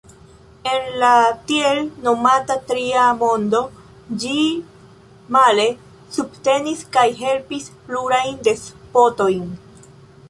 En la tiel nomata tria mondo ĝi, male, subtenis kaj helpis plurajn despotojn.